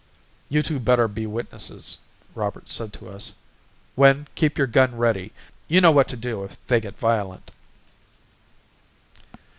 "You two better be witnesses," Roberts said to us. "Wynn, keep your gun ready. You know what to do if they get violent."